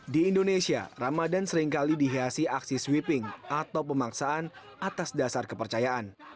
di indonesia ramadan seringkali dihiasi aksi sweeping atau pemaksaan atas dasar kepercayaan